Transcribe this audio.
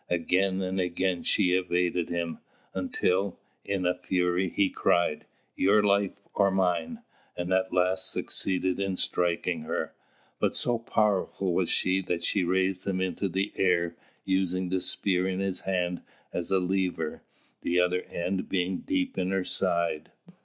Again and again she evaded him, until, in a fury, he cried, "Your life or mine!" and at last succeeded in striking her; but so powerful was she that she raised him into the air, using the spear in his hand as a lever, the other end being deep in her side.